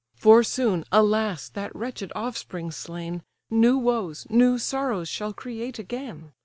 For soon, alas! that wretched offspring slain, New woes, new sorrows, shall create again.